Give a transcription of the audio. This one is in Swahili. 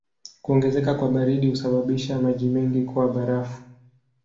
Kuongezeka kwa baridi husababisha maji mengi kuwa barafu.